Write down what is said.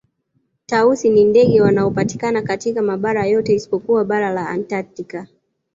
Tausi ni ndege wanaopatikana katika mabara yote isipokuwa bara la Antaktika